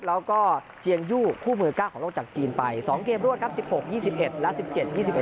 แล้วก็เจียงยู่คู่มือ๙ของโลกจากจีนไป๒เกมรวดครับ๑๖๒๑และ๑๗๒๑